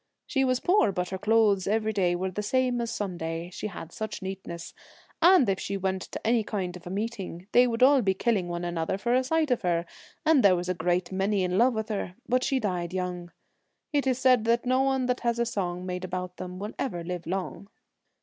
She was poor, but her clothes every day were the same as Sun day, she had such neatness. And if she went to any kind of a meeting, they would all be killing one another for a sight of her, and there was a great many in love with her, but she died young. It is said that no one that has a song made about them will ever live long.'